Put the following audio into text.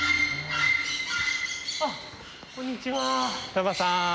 あっこんにちは。